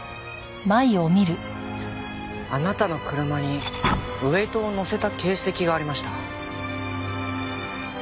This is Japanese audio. あなたの車にウェートをのせた形跡がありました。